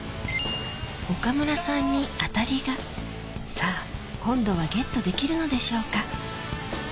岡村さんにあたりがさぁ今度はＧＥＴできるのでしょうか？